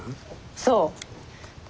そう。